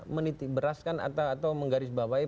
menitiberaskan atau menggarisbawahi